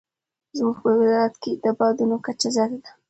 زموږ په هېواد کې د بادونو کچه زیاته ده.